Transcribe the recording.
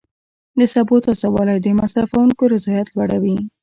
د سبو تازه والی د مصرفونکو رضایت لوړوي.